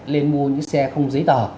nên mua những xe không giấy tờ